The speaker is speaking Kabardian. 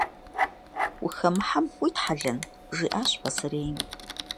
«Ухэмыхьэм уитхьэлэн?» – жиӏащ пасарейм.